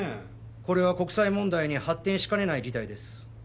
これは国際問題に発展しかねない事態です